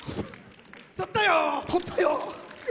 とったよ！